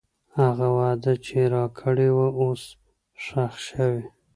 هغه وعده چې راکړې وه، اوس ښخ شوې.